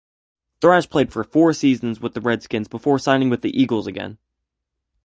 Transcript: Thrash played for four seasons with the Redskins before signing with the Eagles again.